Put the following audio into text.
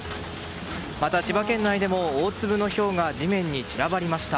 また千葉県内でも大粒のひょうが地面に散らばりました。